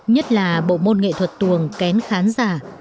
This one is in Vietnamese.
nhất là bộ môn nghệ thuật tuồng kén khán giả